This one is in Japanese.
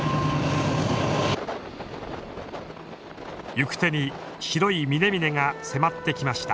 行く手に白い峰々が迫ってきました。